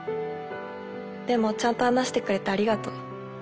でもちゃんと話してくれてありがとう。